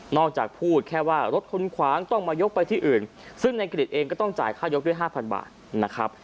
จากพูดแค่ว่ารถคุณขวางต้องมายกไปที่อื่นซึ่งในกริจเองก็ต้องจ่ายค่ายกด้วย๕๐๐บาทนะครับ